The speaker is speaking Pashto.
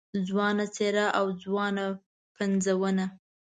ځوانه څېره او ځوانه پنځونه